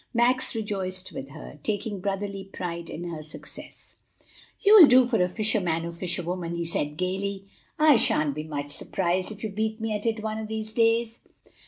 Max rejoiced with her, taking brotherly pride in her success. "You'll do for a fisherman or fisherwoman," he said gayly. "I sha'n't be much surprised if you beat me at it one o' these days."